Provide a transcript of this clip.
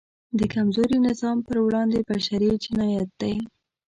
د کمزوري نظام پر وړاندې بشری جنایت دی.